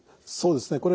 そうですね。